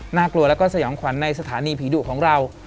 หน้ากลัวแล้วก็ย้อนขวัญในฐานีผีดุของเรา